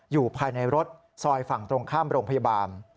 อยู่ภายในรถซอยฝั่งตรงข้ามโรงพยาบาล